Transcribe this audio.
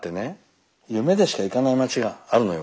夢でしか行かない街があるのよ